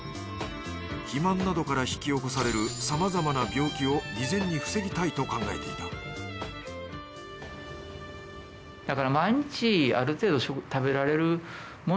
肥満などから引き起こされるさまざまな病気を未然に防ぎたいと考えていた未病といいますか